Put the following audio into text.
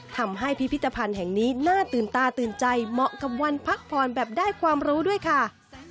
พิพิธภัณฑ์แห่งนี้น่าตื่นตาตื่นใจเหมาะกับวันพักผ่อนแบบได้ความรู้ด้วยค่ะ